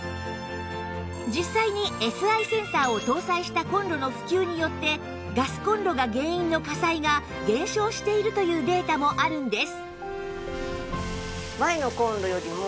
実際に Ｓｉ センサーを搭載したコンロの普及によってガスコンロが原因の火災が減少しているというデータもあるんです